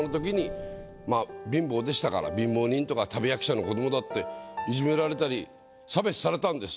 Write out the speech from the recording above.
で私は貧乏人とか旅役者の子どもだっていじめられたり差別されたんです。